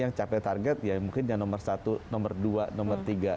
yang capek target ya mungkin yang nomor satu nomor dua nomor tiga